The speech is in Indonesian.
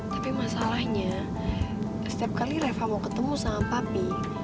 tapi masalahnya setiap kali reva mau ketemu sama papi